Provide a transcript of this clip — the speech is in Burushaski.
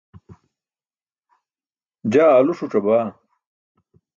jaa aalu ṣuc̣abaa